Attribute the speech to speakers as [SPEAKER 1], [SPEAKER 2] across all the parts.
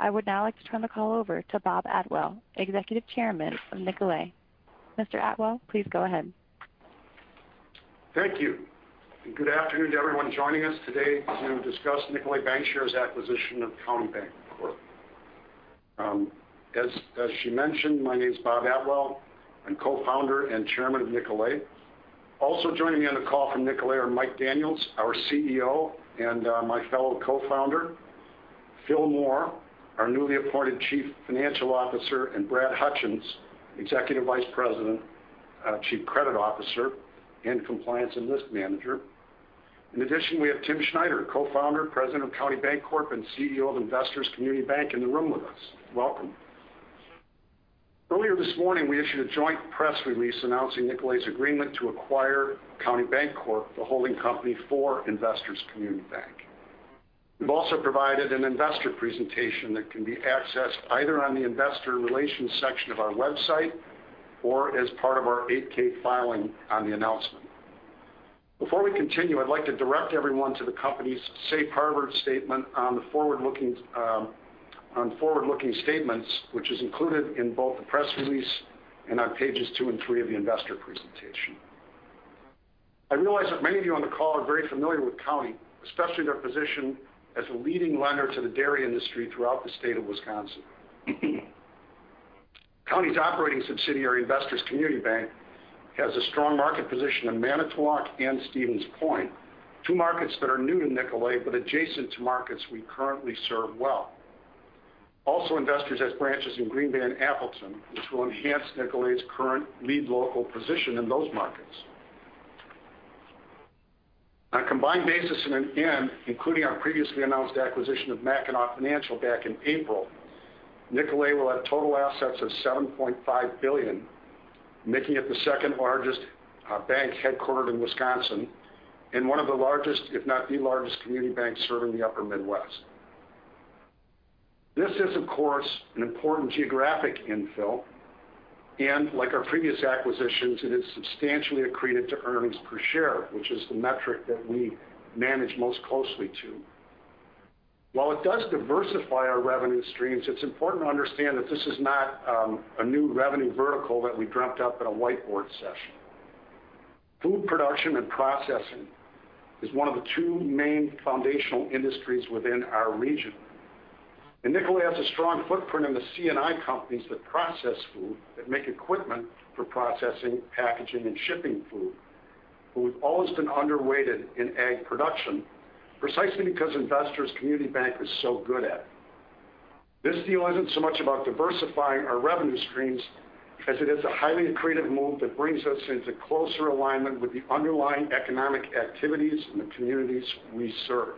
[SPEAKER 1] I would now like to turn the call over to Robert Atwell, Executive Chairman of Nicolet. Mr. Atwell, please go ahead.
[SPEAKER 2] Thank you, and good afternoon to everyone joining us today to discuss Nicolet Bankshares' acquisition of County Bancorp, Inc. As she mentioned, my name's Robert Atwell. I'm Co-founder and Chairman of Nicolet. Also joining me on the call from Nicolet are Mike Daniels, our CEO, and my fellow Co-founder, Phil Moore, our newly appointed Chief Financial Officer, and Brad Hutjens, Executive Vice President, Chief Credit Officer, and Compliance and Risk Manager. In addition, we have Tim Schneider, Co-founder, President of County Bancorp, Inc., and CEO of Investors Community Bank in the room with us. Welcome. Earlier this morning, we issued a joint press release announcing Nicolet's agreement to acquire County Bancorp, Inc., the holding company for Investors Community Bank. We've also provided an investor presentation that can be accessed either on the investor relations section of our website or as part of our 8-K filing on the announcement. Before we continue, I'd like to direct everyone to the company's safe harbor statement on forward-looking statements, which is included in both the press release and on pages two and three of the investor presentation. I realize that many of you on the call are very familiar with County, especially their position as a leading lender to the dairy industry throughout the state of Wisconsin. County's operating subsidiary, Investors Community Bank, has a strong market position in Manitowoc and Stevens Point, two markets that are new to Nicolet but adjacent to markets we currently serve well. Investors has branches in Green Bay and Appleton, which will enhance Nicolet's current lead local position in those markets. On a combined basis and including our previously announced acquisition of Mackinac Financial back in April, Nicolet will have total assets of $7.5 billion, making it the 2nd-largest bank headquartered in Wisconsin and one of the largest, if not the largest, community bank serving the upper Midwest. This is, of course, an important geographic infill, and like our previous acquisitions, it is substantially accretive to earnings per share, which is the metric that we manage most closely to. While it does diversify our revenue streams, it is important to understand that this is not a new revenue vertical that we dreamt up in a whiteboard session. Food production and processing is one of the two main foundational industries within our region, and Nicolet has a strong footprint in the C&I companies that process food, that make equipment for processing, packaging, and shipping food, but we've always been underrated in ag production precisely because Investors Community Bank is so good at it. This deal isn't so much about diversifying our revenue streams as it is a highly accretive move that brings us into closer alignment with the underlying economic activities in the communities we serve.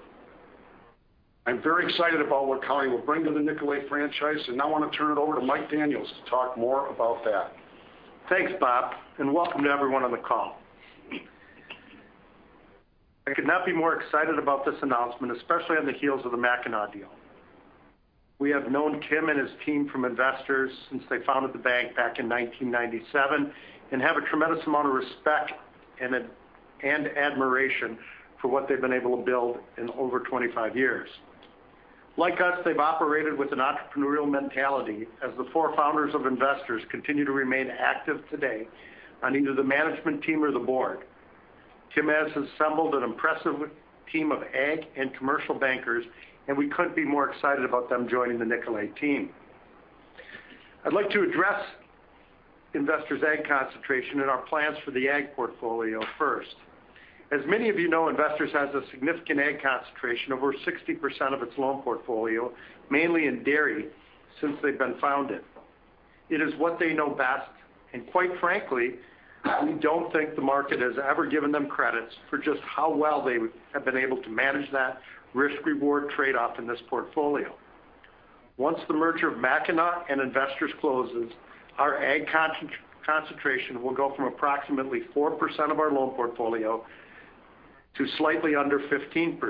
[SPEAKER 2] I'm very excited about what County will bring to the Nicolet franchise, and now I want to turn it over to Mike Daniels to talk more about that.
[SPEAKER 3] Thanks, Bob. Welcome to everyone on the call. I could not be more excited about this announcement, especially on the heels of the Mackinac deal. We have known Tim and his team from Investors since they founded the bank back in 1997 and have a tremendous amount of respect and admiration for what they've been able to build in over 25 years. Like us, they've operated with an entrepreneurial mentality as the four founders of Investors continue to remain active today on either the management team or the board. Tim has assembled an impressive team of ag and commercial bankers. We couldn't be more excited about them joining the Nicolet team. I'd like to address Investors' ag concentration and our plans for the ag portfolio first. As many of you know, Investors has a significant ag concentration, over 60% of its loan portfolio, mainly in dairy, since they've been founded. It is what they know best, and quite frankly, we don't think the market has ever given them credit for just how well they have been able to manage that risk-reward trade-off in this portfolio. Once the merger of Mackinac and Investors closes, our ag concentration will go from approximately 4% of our loan portfolio to slightly under 15%.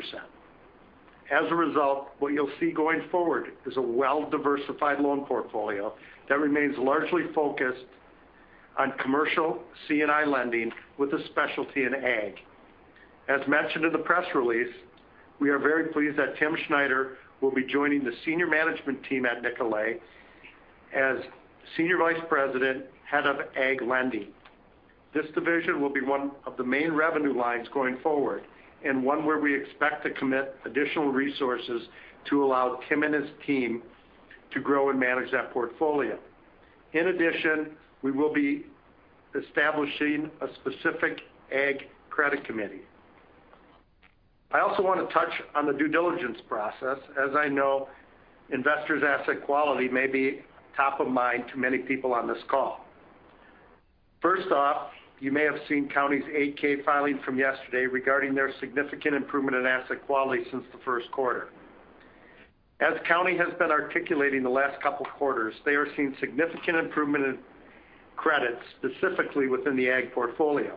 [SPEAKER 3] As a result, what you'll see going forward is a well-diversified loan portfolio that remains largely focused on commercial C&I lending with a specialty in ag. As mentioned in the press release, we are very pleased that Tim Schneider will be joining the senior management team at Nicolet as Senior Vice President, Head of Ag Lending. This division will be one of the main revenue lines going forward and one where we expect to commit additional resources to allow Tim and his team to grow and manage that portfolio. In addition, we will be establishing a specific ag credit committee. I also want to touch on the due diligence process, as I know Investors' asset quality may be top of mind to many people on this call. First off, you may have seen County's 8-K filing from yesterday regarding their significant improvement in asset quality since the first quarter. As County has been articulating the last couple of quarters, they are seeing significant improvement in credit, specifically within the ag portfolio.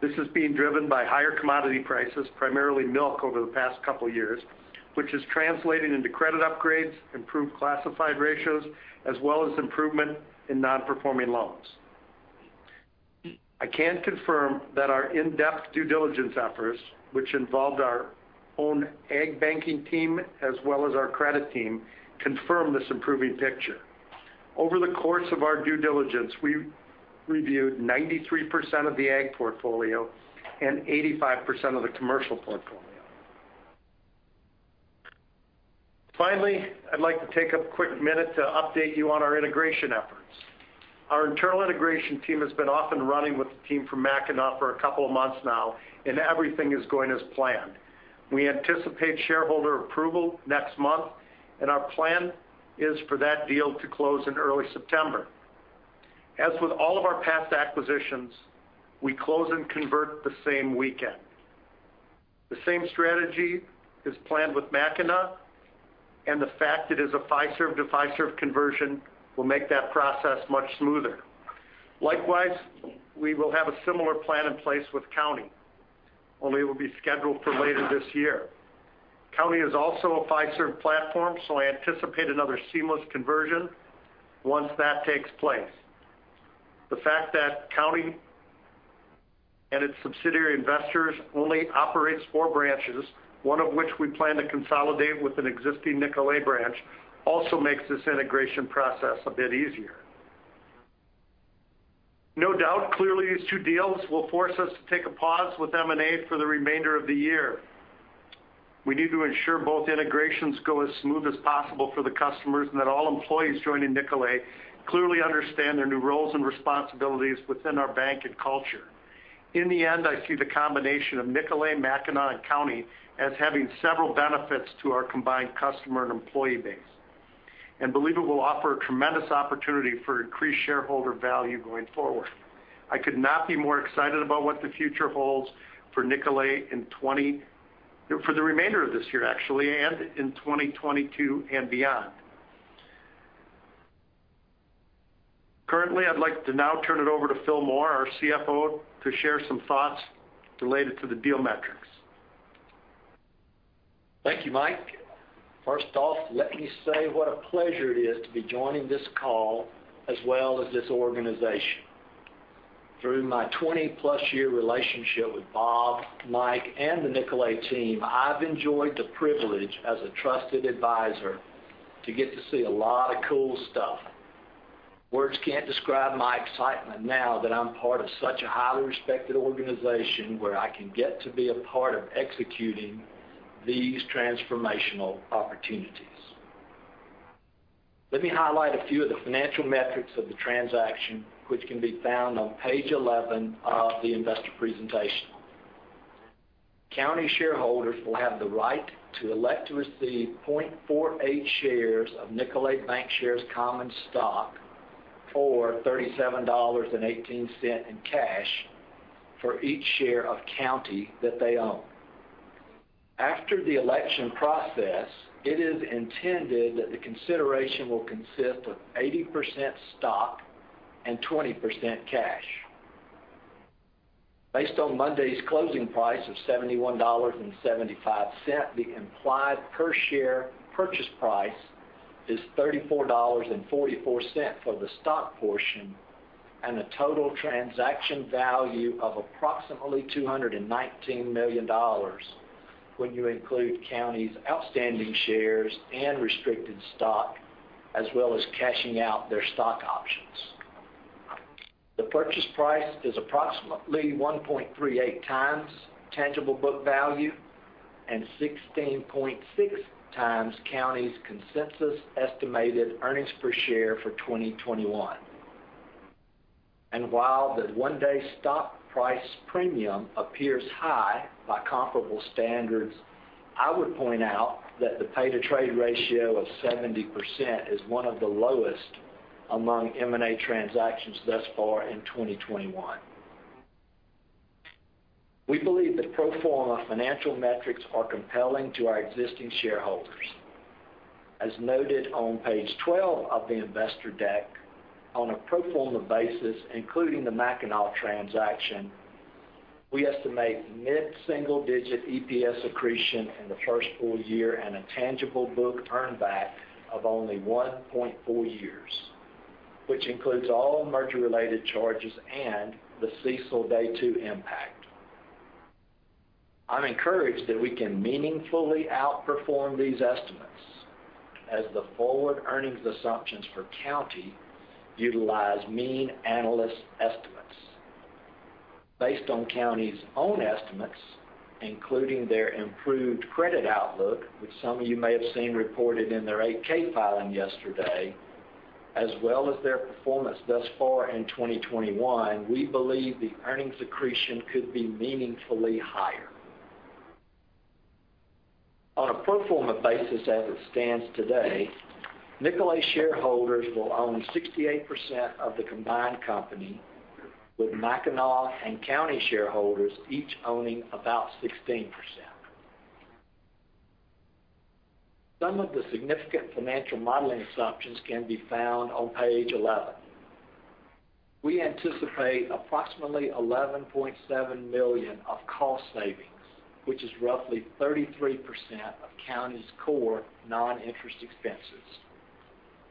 [SPEAKER 3] This is being driven by higher commodity prices, primarily milk over the past couple of years, which has translated into credit upgrades, improved classified ratios, as well as improvement in non-performing loans. I can confirm that our in-depth due diligence efforts, which involved our own ag banking team as well as our credit team, confirmed this improving picture. Over the course of our due diligence, we reviewed 93% of the ag portfolio and 85% of the commercial portfolio. Finally, I'd like to take a quick minute to update you on our integration efforts. Our internal integration team has been up and running with the team from Mackinac for a couple of months now, and everything is going as planned. We anticipate shareholder approval next month, and our plan is for that deal to close in early September. As with all of our past acquisitions, we close and convert the same weekend. The same strategy is planned with Mackinac, and the fact it is a Fiserv-to-Fiserv conversion will make that process much smoother. Likewise, we will have a similar plan in place with County, only it will be scheduled for later this year. County is also a Fiserv platform, so I anticipate another seamless conversion once that takes place. The fact that County and its subsidiary Investors only operates four branches, one of which we plan to consolidate with an existing Nicolet branch, also makes this integration process a bit easier. No doubt, clearly these two deals will force us to take a pause with M&A for the remainder of the year. We need to ensure both integrations go as smooth as possible for the customers, and that all employees joining Nicolet clearly understand their new roles and responsibilities within our bank and culture. In the end, I see the combination of Nicolet, Mackinac, and County as having several benefits to our combined customer and employee base, believe it will offer a tremendous opportunity for increased shareholder value going forward. I could not be more excited about what the future holds for Nicolet for the remainder of this year, actually, and in 2022 and beyond. Currently, I'd like to now turn it over to Phil Moore, our CFO, to share some thoughts related to the deal metrics.
[SPEAKER 4] Thank you, Mike Daniels. First off, let me say what a pleasure it is to be joining this call, as well as this organization. Through my 20-plus year relationship with Robert Atwell, Mike Daniels, and the Nicolet team, I've enjoyed the privilege as a trusted advisor to get to see a lot of cool stuff. Words can't describe my excitement now that I'm part of such a highly respected organization where I can get to be a part of executing these transformational opportunities. Let me highlight a few of the financial metrics of the transaction, which can be found on page 11 of the investor presentation. County shareholders will have the right to elect to receive 0.48 shares of Nicolet Bankshares common stock or $37.18 in cash for each share of County that they own. After the election process, it is intended that the consideration will consist of 80% stock and 20% cash. Based on Monday's closing price of $71.75, the implied per-share purchase price is $34.44 for the stock portion, and a total transaction value of approximately $219 million when you include County's outstanding shares and restricted stock, as well as cashing out their stock options. The purchase price is approximately 1.38 x tangible book value and 16.6 x County's consensus estimated earnings per share for 2021. While the one-day stock price premium appears high by comparable standards, I would point out that the pay-to-trade ratio of 70% is one of the lowest among M&A transactions thus far in 2021. We believe the pro forma financial metrics are compelling to our existing shareholders. As noted on page 12 of the investor deck, on a pro forma basis, including the Mackinac transaction, we estimate net single-digit EPS accretion in the first full year and a tangible book earn back of only 1.4 years, which includes all merger-related charges and the CECL Day two impact. I'm encouraged that we can meaningfully outperform these estimates as the forward earnings assumptions for County utilize mean analyst estimates. Based on County's own estimates, including their improved credit outlook, which some of you may have seen reported in their 8-K filing yesterday, as well as their performance thus far in 2021, we believe the earnings accretion could be meaningfully higher. On a pro forma basis as it stands today, Nicolet shareholders will own 68% of the combined company, with Mackinac and County shareholders each owning about 16%. Some of the significant financial modeling assumptions can be found on page 11. We anticipate approximately $11.7 million of cost savings, which is roughly 33% of County's core non-interest expenses.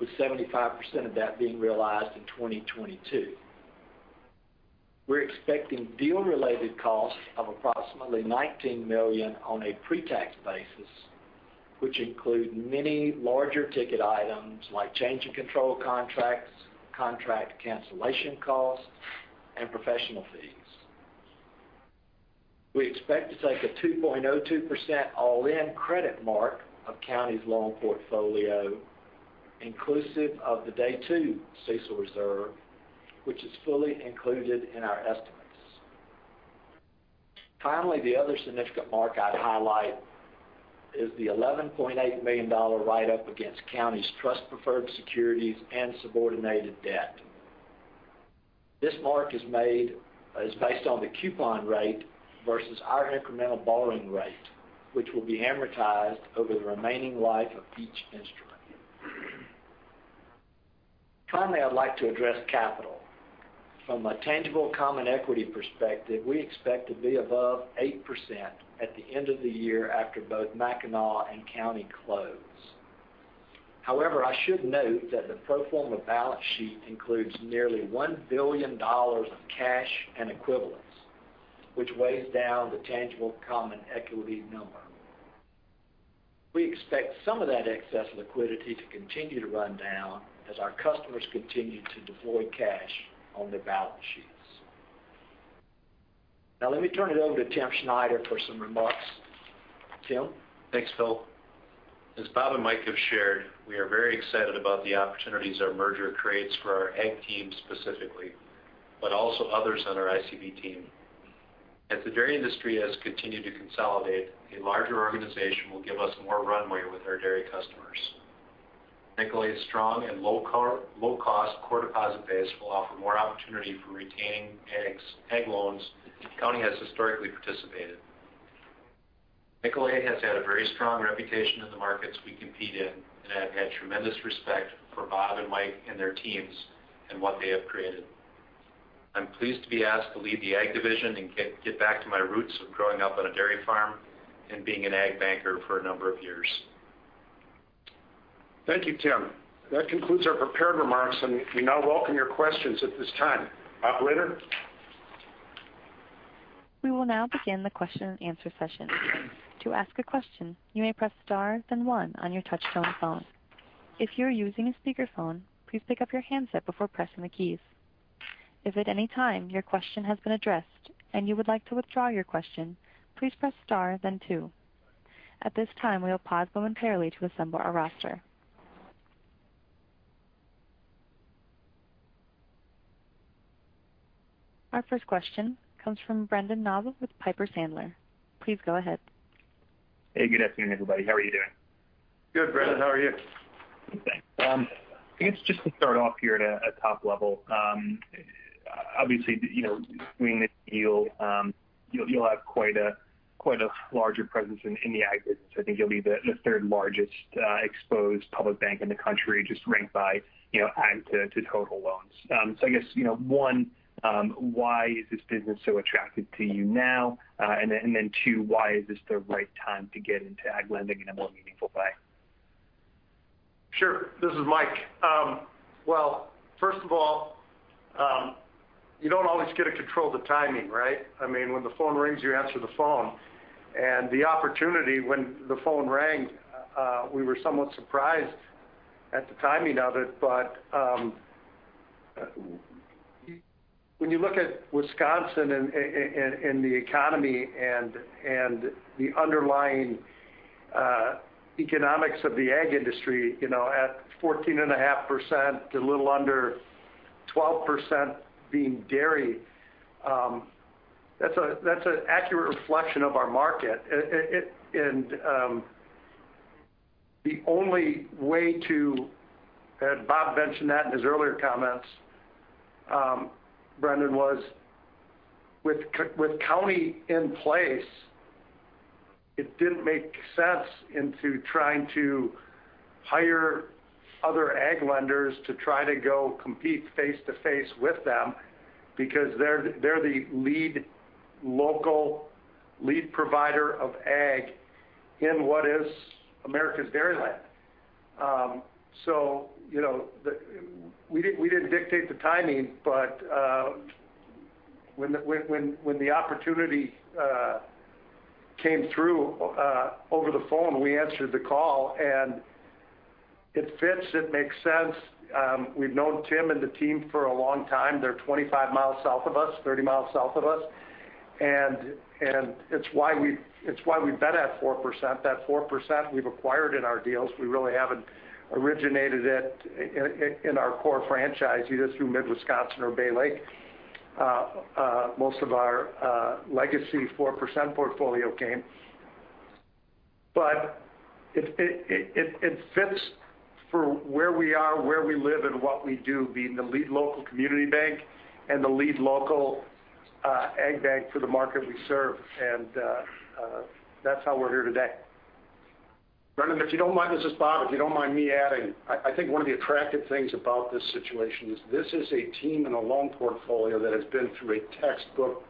[SPEAKER 4] With 75% of that being realized in 2022. We're expecting deal-related costs of approximately $19 million on a pre-tax basis, which include many larger ticket items like change of control contracts, contract cancellation costs, and professional fees. We expect to take a 2.02% all-in credit mark of County's loan portfolio, inclusive of the day two CECL reserve, which is fully included in our estimates. Finally, the other significant mark I'd highlight is the $11.8 million write-up against County's trust preferred securities and subordinated debt. This mark is based on the coupon rate versus our incremental borrowing rate, which will be amortized over the remaining life of each instrument. Finally, I'd like to address capital. From a tangible common equity perspective, we expect to be above 8% at the end of the year after both Mackinac and County close. I should note that the pro forma balance sheet includes nearly $1 billion of cash and equivalents, which weighs down the tangible common equity number. We expect some of that excess liquidity to continue to run down as our customers continue to deploy cash on their balance sheets. Let me turn it over to Tim Schneider for some remarks. Tim?
[SPEAKER 5] Thanks, Phil. As Robert Atwell and Mike Daniels have shared, we are very excited about the opportunities our merger creates for our ag team specifically, but also others on our Investors Community Bank team. As the dairy industry has continued to consolidate, a larger organization will give us more runway with our dairy customers. Nicolet's strong and low-cost core deposit base will offer more opportunity for retained ag loans that County Bancorp, Inc. has historically participated. Nicolet has had a very strong reputation in the markets we compete in and have had tremendous respect for Robert Atwell and Mike Daniels and their teams and what they have created. I'm pleased to be asked to lead the ag division and get back to my roots of growing up on a dairy farm and being an ag banker for a number of years.
[SPEAKER 4] Thank you, Tim. That concludes our prepared remarks, and we now welcome your questions at this time. Operator?
[SPEAKER 1] We will now proceed to the question and answer session, to ask a question you may press star then one on your touchtone phone. If you are using the speakerphone please take your handset before pressing the key, if at any time your question has been addressed and you would like to withdraw your question please press star then two. At this time i will pause momentarily to assemble our roster. Our first question comes from Brendan Nosal with Piper Sandler. Please go ahead.
[SPEAKER 6] Hey, good afternoon, everybody. How are you doing?
[SPEAKER 4] Good, Brendan. How are you?
[SPEAKER 6] Thanks. I guess just to start off here at a top level. Obviously between the deal, you'll have quite a larger presence in the ag business. I think you'll be the third-largest exposed public bank in the country just ranked by ag to total loans. I guess, one, why is this business so attractive to you now? Two, why is this the right time to get into ag lending in a more meaningful way?
[SPEAKER 3] Sure. This is Mike. First of all, you don't always get to control the timing, right? When the phone rings, you answer the phone. The opportunity when the phone rang, we were somewhat surprised at the timing of it. When you look at Wisconsin and the economy and the underlying economics of the ag industry at 14.5% to a little under 12% being dairy, that's an accurate reflection of our market. The only way to, Bob mentioned that in his earlier comments, Brendan, was with County in place, it didn't make sense into trying to hire other ag lenders to try to go compete face-to-face with them because they're the lead local lead provider of ag in what is America's Dairyland. We didn't dictate the timing, but when the opportunity came through over the phone, we answered the call, and it fits. It makes sense. We've known Tim and the team for a long time. They're 25 miles south of us, 30 miles south of us, and it's why we bid at 4%. That 4% we've acquired in our deals. We really haven't originated it in our core franchise, either through Mid-Wisconsin or Baylake. Most of our legacy 4% portfolio came. It fits for where we are, where we live, and what we do, being the lead local community bank and the lead local ag bank for the market we serve. That's how we're here today.
[SPEAKER 2] Brendan, if you don't mind, this is Bob. If you don't mind me adding. I think one of the attractive things about this situation is this is a team and a loan portfolio that has been through a textbook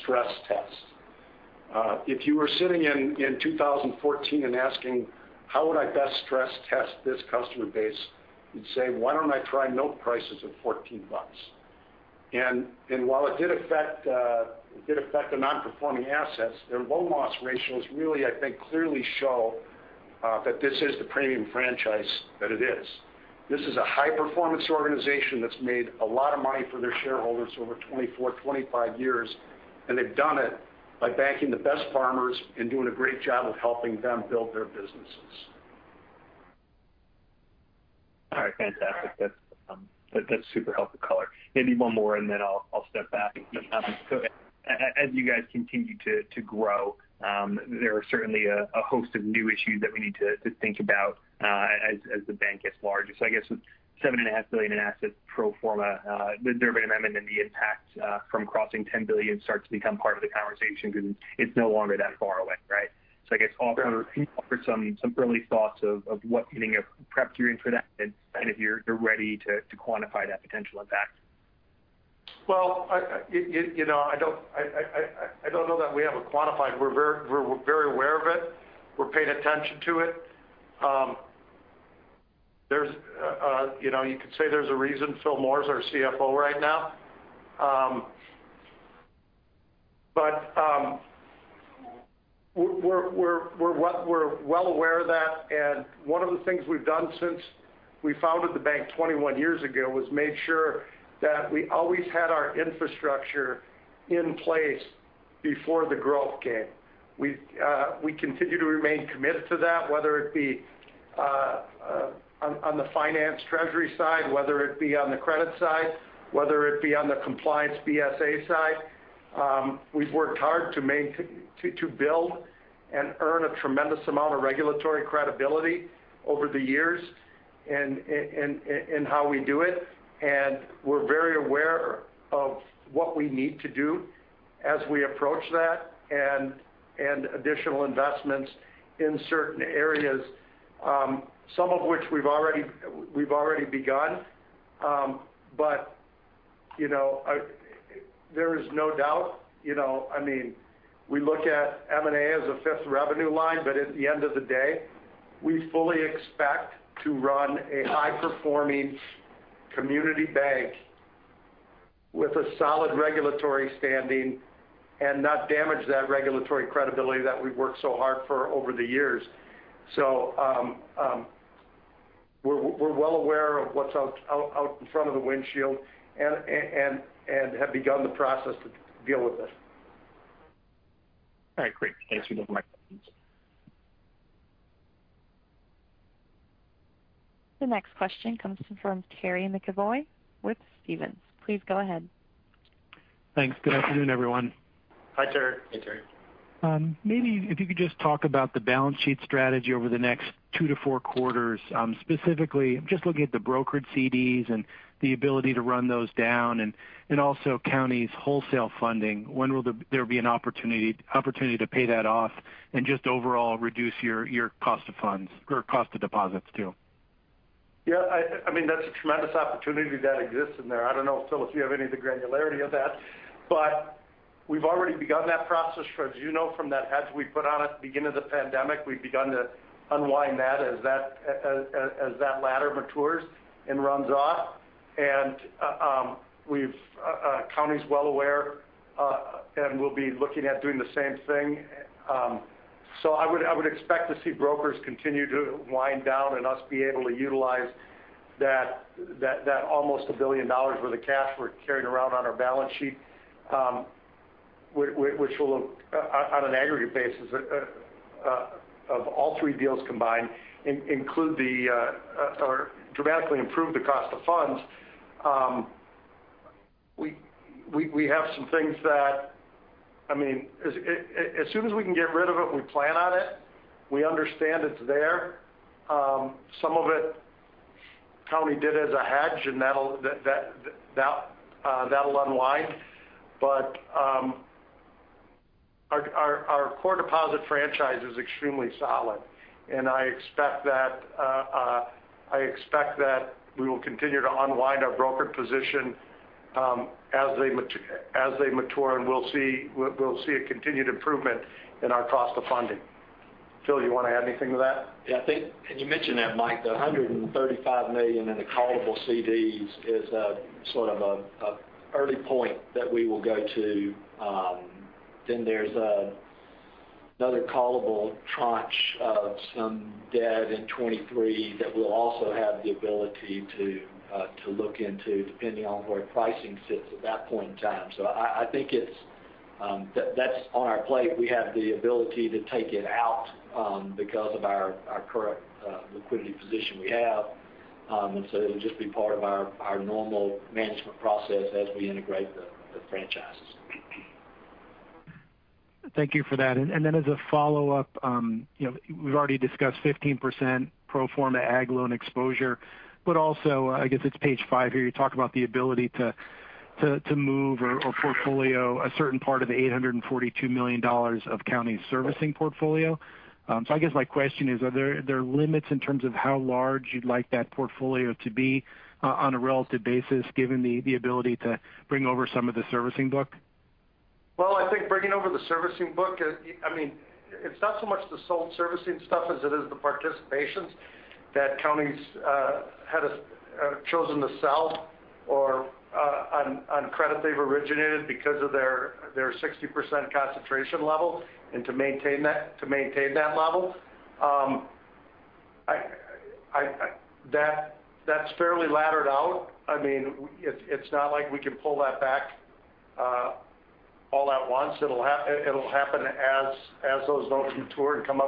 [SPEAKER 2] stress test. If you were sitting in 2014 and asking, "How would I best stress test this customer base?" You'd say, "Why don't I try milk prices of $14?" While it did affect the non-performing assets, their loan loss ratios really, I think, clearly show that this is the premium franchise that it is. This is a high-performance organization that's made a lot of money for their shareholders over 24, 25 years, and they've done it by banking the best farmers and doing a great job of helping them build their businesses.
[SPEAKER 6] All right. Fantastic. That's super helpful color. Maybe 1 more, and then I'll step back. As you guys continue to grow, there are certainly a host of new issues that we need to think about as the bank gets larger. I guess with $7.5 billion in assets pro forma, the Durbin Amendment and the impact from crossing $10 billion starts to become part of the conversation because it's no longer that far away, right? I guess offer some early thoughts of what's getting you prepped for that, and if you're ready to quantify that potential impact.
[SPEAKER 2] Well, I don't know that we have it quantified. We're very aware of it. We're paying attention to it. You could say there's a reason Phil Moore is our CFO right now. We're well aware of that, and one of the things we've done since we founded the bank 21 years ago was make sure that we always had our infrastructure in place before the growth came. We continue to remain committed to that, whether it be on the finance treasury side, whether it be on the credit side, whether it be on the compliance BSA side. We've worked hard to build and earn a tremendous amount of regulatory credibility over the years in how we do it. We're very aware of what we need to do as we approach that and additional investments in certain areas some of which we've already begun. There is no doubt. We look at M&A as a fifth revenue line, at the end of the day, we fully expect to run a high-performing community bank with a solid regulatory standing and not damage that regulatory credibility that we've worked so hard for over the years. We're well aware of what's out in front of the windshield and have begun the process to deal with this.
[SPEAKER 6] All right, great. Thanks. Those are my questions.
[SPEAKER 1] The next question comes from Terry McEvoy with Stephens. Please go ahead.
[SPEAKER 7] Thanks. Good afternoon, everyone.
[SPEAKER 2] Hi, Terry.
[SPEAKER 7] Maybe if you could just talk about the balance sheet strategy over the next 2-4 quarters? Specifically just looking at the brokered CDs and the ability to run those down, and also County's wholesale funding. When will there be an opportunity to pay that off and just overall reduce your cost of deposits too?
[SPEAKER 2] Yeah, that's a tremendous opportunity that exists in there. I don't know, Phil, if you have any of the granularity of that. We've already begun that process. As you know from that hedge we put on at the beginning of the pandemic, we've begun to unwind that as that ladder matures and runs off. County's well aware, and we'll be looking at doing the same thing. I would expect to see brokers continue to wind down and us be able to utilize that almost $1 billion worth of cash we're carrying around on our balance sheet which will, on an aggregate basis of all three deals combined, dramatically improve the cost of funds. As soon as we can get rid of it, we plan on it. We understand it's there. Some of it County did as a hedge, and that'll unwind. Our core deposit franchise is extremely solid, and I expect that we will continue to unwind our brokered position as they mature, and we'll see a continued improvement in our cost of funding. Phil, you want to add anything to that?
[SPEAKER 4] Yeah. I think, and you mentioned that, Mike, the $135 million in the callable CDs is a sort of an early point that we will go to. There's another callable tranche of some debt in 2023 that we'll also have the ability to look into depending on where pricing sits at that point in time. I think that's on our plate. We have the ability to take it out because of our current liquidity position we have. It'll just be part of our normal management process as we integrate the franchise.
[SPEAKER 7] Thank you for that. As a follow-up, we've already discussed 15% pro forma ag loan exposure, also I guess it's page 5 here, you talked about the ability to move a portfolio, a certain part of the $842 million of County servicing portfolio. I guess my question is, are there limits in terms of how large you'd like that portfolio to be on a relative basis, given the ability to bring over some of the servicing book?
[SPEAKER 3] I think bringing over the servicing book, it's not so much the sold servicing stuff as it is the participations that County has chosen to sell on credit they've originated because of their 60% concentration level and to maintain that level. That's fairly laddered out. It's not like we can pull that back all at once. It'll happen as those notes mature and come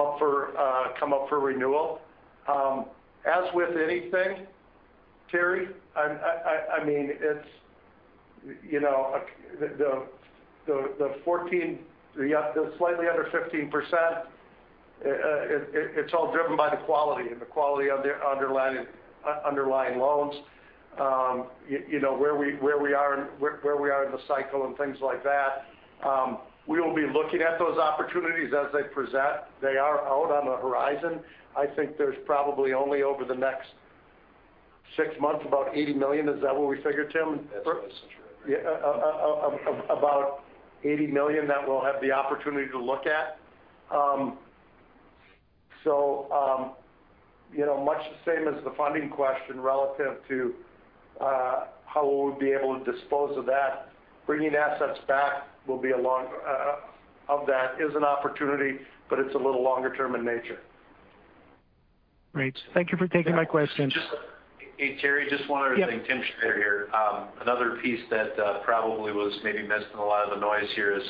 [SPEAKER 3] up for renewal. As with anything, Terry, the slightly under 15%, it's all driven by the quality of the underlying loans, where we are in the cycle and things like that. We'll be looking at those opportunities as they present. They are out on the horizon. I think there's probably only over the next six months, about $80 million. Is that what we figured, Tim?
[SPEAKER 5] That's true.
[SPEAKER 3] About $80 million that we'll have the opportunity to look at. Much the same as the funding question relative to how we'll be able to dispose of that. Bringing assets back of that is an opportunity, but it's a little longer term in nature.
[SPEAKER 7] Great. Thank you for taking my question.
[SPEAKER 5] Hey, Terry, just wanted to mention here. Another piece that probably was maybe missed in a lot of the noise here is,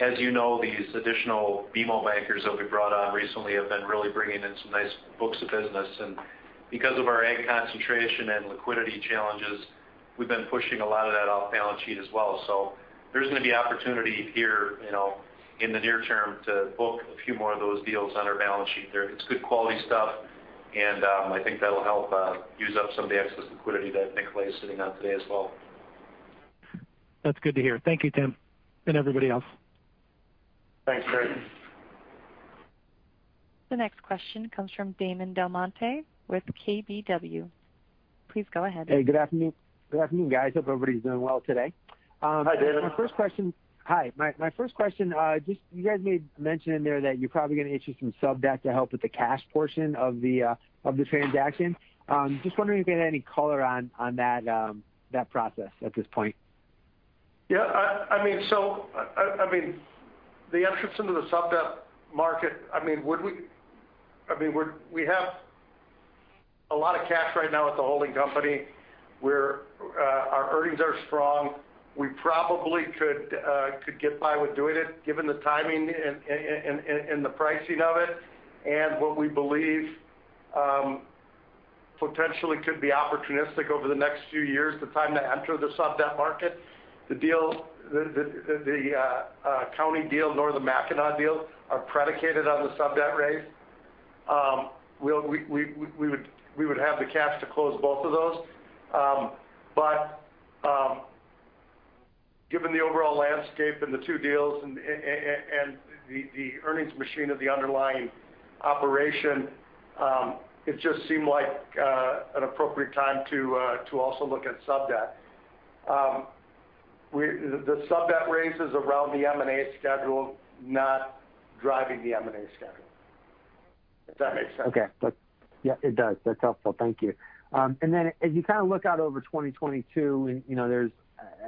[SPEAKER 5] as you know, these additional BMO bankers that we brought on recently have been really bringing in some nice books of business. Because of our concentration and liquidity challenges, we've been pushing a lot of that off balance sheet as well. There's going to be opportunity here in the near term to book a few more of those deals on our balance sheet. It's good quality stuff, and I think that'll help use up some of the excess liquidity that Nicolet is sitting on today as well.
[SPEAKER 7] That's good to hear. Thank you, Tim, and everybody else.
[SPEAKER 5] Thanks, Terry.
[SPEAKER 1] The next question comes from Damon DelMonte with KBW. Please go ahead.
[SPEAKER 8] Hey, good afternoon, guys. Hope everybody's doing well today.
[SPEAKER 3] Hi, Damon.
[SPEAKER 8] Hi. My first question, you guys made mention in there that you're probably going to issue some sub debt to help with the cash portion of the transaction. Just wondering if you had any color on that process at this point.
[SPEAKER 3] Yeah. The entrance into the sub debt market. We have a lot of cash right now with the holding company where our earnings are strong. We probably could get by with doing it given the timing and the pricing of it and what we believe potentially could be opportunistic over the next few years, the time to enter the sub debt market. The County deal, nor the Mackinac deal are predicated on the sub debt raise. We would have the cash to close both of those. Given the overall landscape and the two deals and the earnings machine of the underlying operation, it just seemed like an appropriate time to also look at sub debt. The sub debt raise is around the M&A schedule, not driving the M&A schedule. Does that make sense?
[SPEAKER 8] Okay. Yeah, it does. That's helpful. Thank you. Then as you look out over 2022, and there's,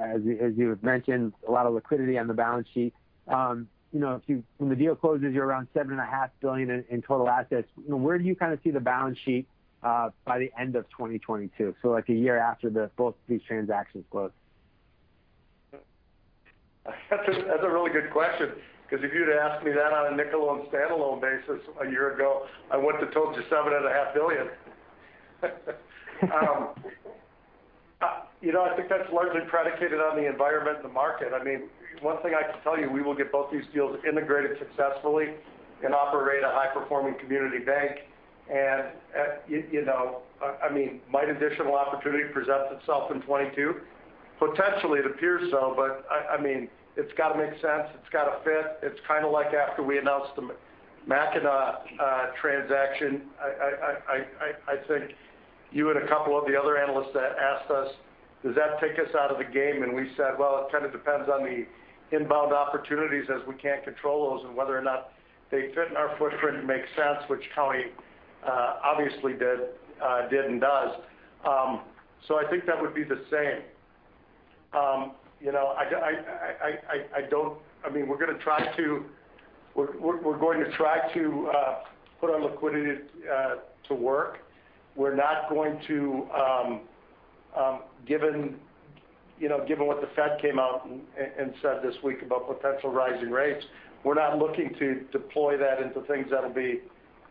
[SPEAKER 8] as you had mentioned, a lot of liquidity on the balance sheet. When the deal closes, you're around $7.5 billion in total assets. Where do you see the balance sheet by the end of 2022? Like a year after both of these transactions close.
[SPEAKER 3] That's a really good question because if you'd have asked me that on a Nicolet standalone basis a year ago, I would've told you $7.5 billion. I think that's largely predicated on the environment and the market. One thing I can tell you, we will get both these deals integrated successfully and operate a high-performing community bank. Might additional opportunity present itself in 2022? Potentially, it appears so, but it's got to make sense. It's got to fit. It's like after we announced the Mackinac transaction, I think you and a couple of the other analysts that asked us, "Does that take us out of the game?" We said, "Well, it depends on the inbound opportunities as we can't control those and whether or not they fit in our footprint and make sense," which County obviously did and does. I think that would be the same. We're going to try to put our liquidity to work. Given what the Fed came out and said this week about potential rising rates, we're not looking to deploy that into things that'll be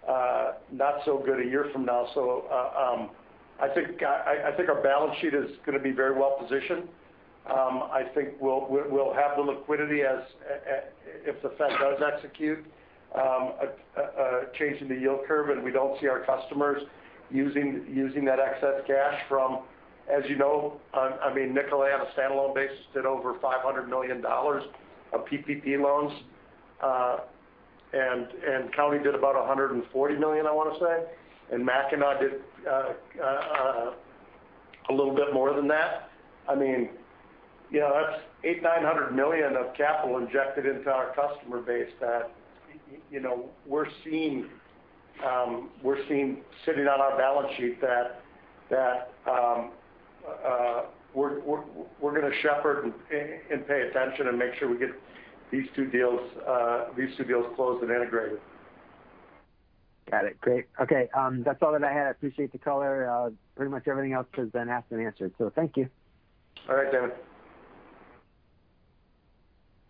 [SPEAKER 3] not so good a year from now. I think our balance sheet is going to be very well positioned. I think we'll have the liquidity if the Fed does execute a change in the yield curve, and we don't see our customers using that excess cash from. As you know, Nicolet on a standalone basis did over $500 million of PPP loans, and County did about $140 million, I want to say, and Mackinac did a little bit more than that. That's $800, $900 million of capital injected into our customer base that we're seeing sitting on our balance sheet that we're going to shepherd and pay attention and make sure we get these two deals closed and integrated.
[SPEAKER 8] Got it. Great. Okay. That's all that I had. I appreciate the color. Pretty much everything else has been asked and answered. Thank you.
[SPEAKER 3] All right, Damon DelMonte.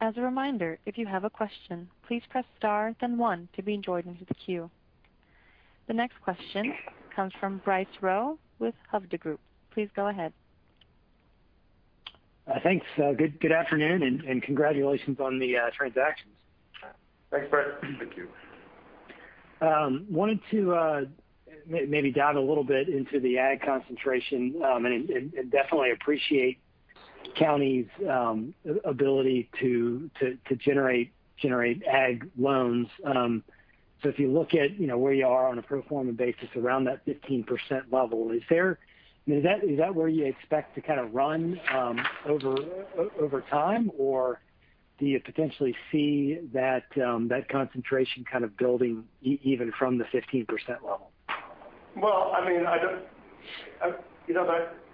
[SPEAKER 1] As a reminder, if you have a question, please press star then one to be joined into the queue. The next question comes from Bryce Rowe with Hovde Group. Please go ahead.
[SPEAKER 9] Thanks. Good afternoon, and congratulations on the transactions.
[SPEAKER 3] Thanks, Bryce.
[SPEAKER 2] Thank you.
[SPEAKER 9] Wanted to maybe dive a little bit into the ag concentration. Definitely appreciate County's ability to generate ag loans. If you look at where you are on a pro forma basis around that 15% level, is that where you expect to run over time? Do you potentially see that concentration building even from the 15% level?
[SPEAKER 3] Well,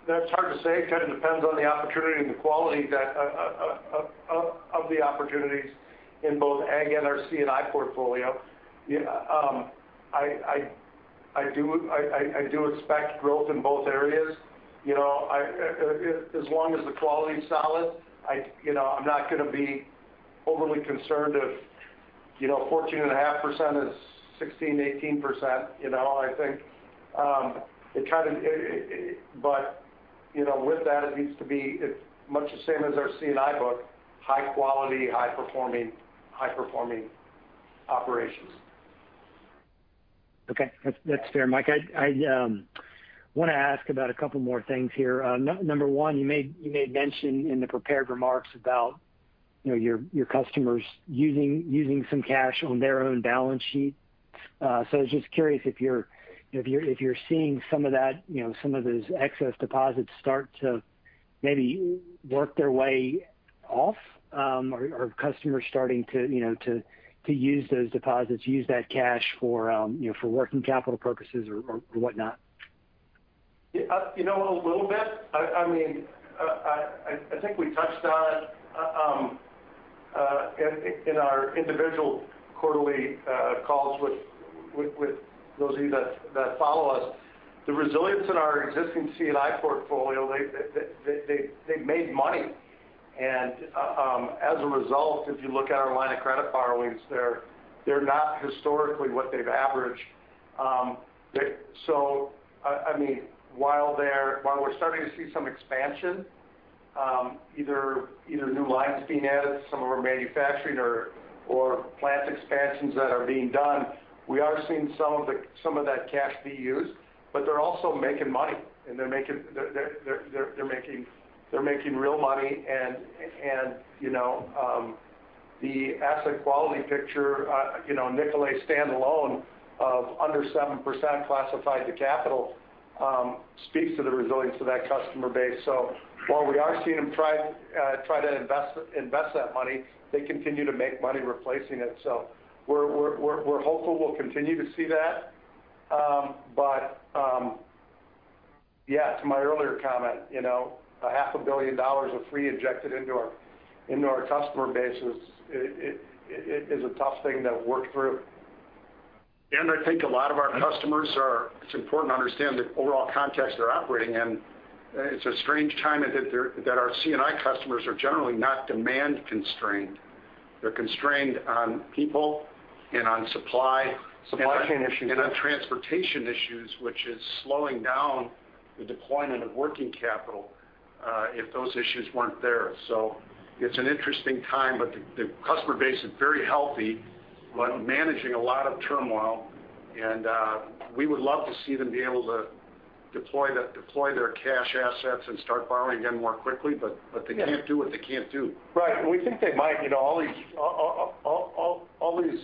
[SPEAKER 3] that's hard to say. It depends on the opportunity and the quality of the opportunities in both ag and our C&I portfolio. I do expect growth in both areas. As long as the quality's solid, I'm not going to be overly concerned if 14.5% is 16%, 18%. With that, it needs to be much the same as our C&I book, high quality, high-performing operations.
[SPEAKER 9] Okay. That's fair, Mike. I want to ask about a couple more things here. Number one, you made mention in the prepared remarks about your customers using some cash on their own balance sheet. I was just curious if you're seeing some of those excess deposits start to maybe work their way off? Are customers starting to use those deposits, use that cash for working capital purposes or whatnot?
[SPEAKER 3] A little bit. I think we touched on it in our individual quarterly calls with those of you that follow us. The resilience in our existing C&I portfolio, they've made money. As a result, if you look at our line of credit borrowings, they're not historically what they've averaged. While we're starting to see some expansion, either new lines being added, some of our manufacturing or plant expansions that are being done, we are seeing some of that cash be used, but they're also making money. They're making real money, and the asset quality picture, Nicolet standalone of under 7% classified to capital speaks to the resilience of that customer base. While we are seeing them try to invest that money, they continue to make money replacing it. We're hopeful we'll continue to see that. Yeah, to my earlier comment, a half a billion dollars of free injected into our customer base is a tough thing to have worked through.
[SPEAKER 2] I think a lot of our customers it's important to understand the overall context they're operating in. It's a strange time that our C&I customers are generally not demand constrained. They're constrained on people and on supply chain issues and on transportation issues, which is slowing down the deployment of working capital if those issues weren't there. It's an interesting time, but the customer base is very healthy but managing a lot of turmoil, and we would love to see them be able to deploy their cash assets and start borrowing again more quickly, but they can't do what they can't do.
[SPEAKER 3] Right. We think they might. All these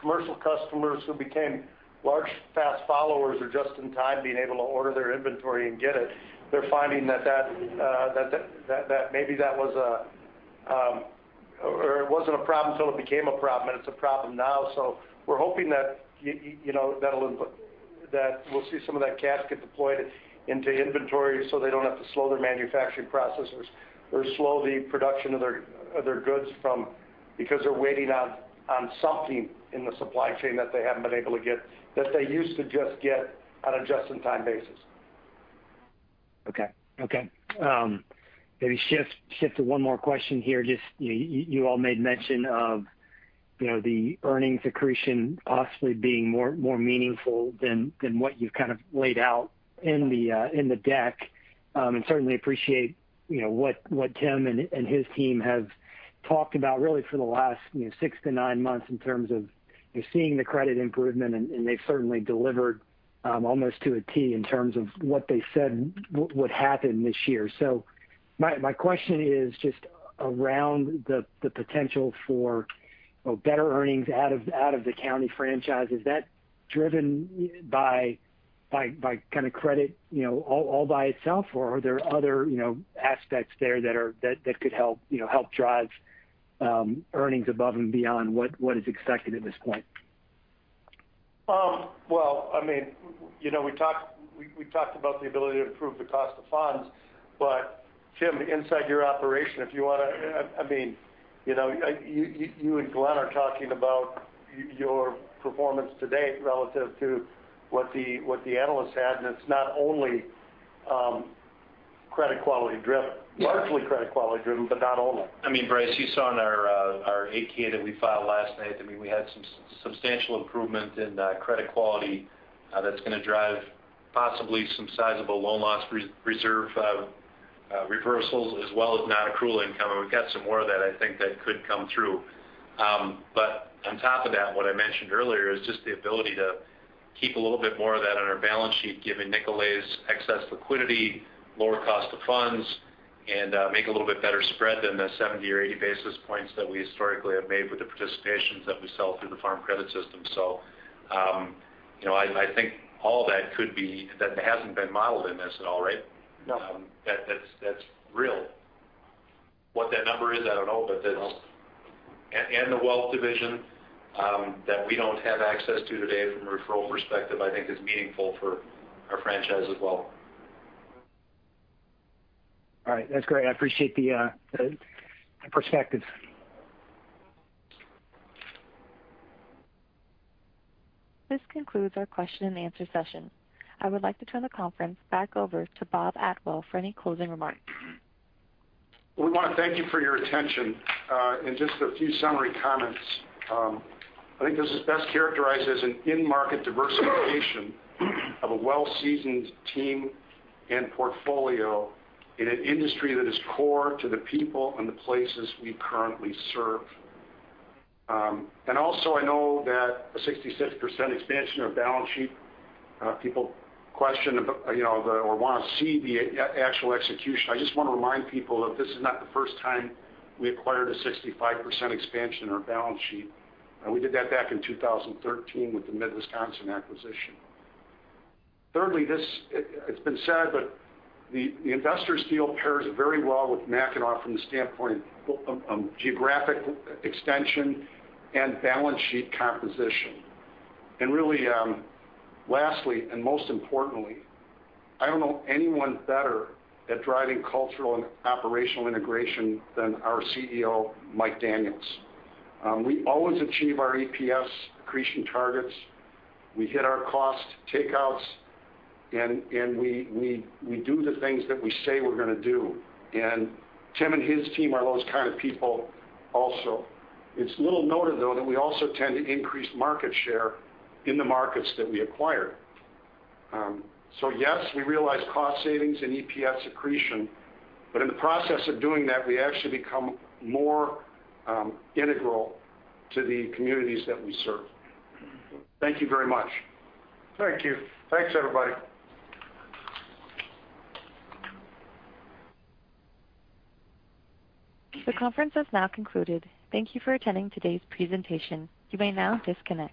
[SPEAKER 3] commercial customers who became large fast followers are just in time being able to order their inventory and get it. They're finding that maybe that wasn't a problem until it became a problem, and it's a problem now. We're hoping that we'll see some of that cash get deployed into inventory so they don't have to slow their manufacturing processes or slow the production of their goods because they're waiting on something in the supply chain that they haven't been able to get that they used to just get on a just-in-time basis.
[SPEAKER 9] Okay. Maybe shift to one more question here. You all made mention of the earnings accretion possibly being more meaningful than what you have laid out in the deck. Certainly appreciate what Tim and his team have talked about really for the last six to nine months in terms of seeing the credit improvement, and they certainly delivered almost to a T in terms of what they said would happen this year. My question is just around the potential for better earnings out of the County franchise. Is that driven by credit all by itself, or are there other aspects there that could help drive earnings above and beyond what is expected at this point?
[SPEAKER 2] We talked about the ability to improve the cost of funds. Mike Daniels, inside your operation, you and Glenn are talking about your performance to date relative to what the analysts had, and it's not only credit quality driven. Largely credit quality driven, but not only.
[SPEAKER 5] Bryce, you saw in our 8-K that we filed last night, we had some substantial improvement in credit quality that's going to drive possibly some sizable loan loss reserve reversals as well as non-accrual income, and we've got some more of that I think that could come through. On top of that, what I mentioned earlier is just the ability to keep a little bit more of that on our balance sheet, giving Nicolet excess liquidity, lower cost of funds, and make a little bit better spread than the 70 or 80 basis points that we historically have made with the participations that we sell through the Farm Credit System. I think all that hasn't been modelled in this at all, right?
[SPEAKER 9] No.
[SPEAKER 5] That's real. What that number is, I don't know. The wealth division that we don't have access to today from a referral perspective, I think is meaningful for our franchise as well.
[SPEAKER 9] All right. That's great. I appreciate the perspective.
[SPEAKER 1] This concludes our question and answer session. I would like to turn the conference back over to Robert Atwell for any closing remarks.
[SPEAKER 2] We want to thank you for your attention. Just a few summary comments. I think this is best characterized as an in-market diversification of a well-seasoned team and portfolio in an industry that is core to the people and the places we currently serve. Also, I know that a 65% expansion of balance sheet, people question or want to see the actual execution. I just want to remind people that this is not the first time we acquired a 65% expansion of our balance sheet. We did that back in 2013 with the Mid-Wisconsin Bank acquisition. Thirdly, it's been said that the Investors Community Bank deal pairs very well with Mackinac from the standpoint of geographic extension and balance sheet composition. Really, lastly, and most importantly, I don't know anyone better at driving cultural and operational integration than our CEO, Mike Daniels. We always achieve our EPS accretion targets. We hit our cost takeouts, we do the things that we say we're going to do. Tim and his team are those kind of people also. It's little noted, though, that we also tend to increase market share in the markets that we acquire. Yes, we realize cost savings and EPS accretion, but in the process of doing that, we actually become more integral to the communities that we serve. Thank you very much.
[SPEAKER 5] Thank you. Thanks, everybody.
[SPEAKER 1] The conference has now concluded. Thank you for attending today's presentation. You may now disconnect.